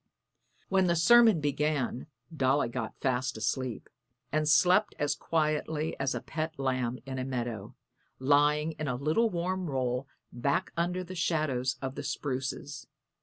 When the sermon began Dolly got fast asleep, and slept as quietly as a pet lamb in a meadow, lying in a little warm roll back under the shadows of the spruces.